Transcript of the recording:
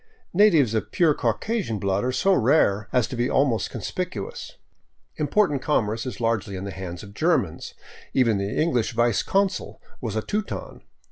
Natives of pure Caucasian blood are so rare as to be almost conspicuous. Important commerce is largely in the hands of Germans ; even the English vice consul was a Teuton.